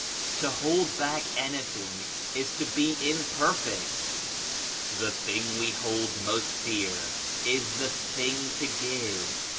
To hold back anything is to be imperfect. The thing we hold most dear is the thing to give.